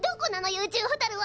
宇宙ホタルは！